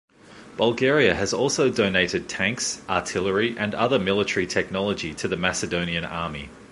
Bulgaria has also donated tanks, artillery, and other military technology to the Macedonian Army.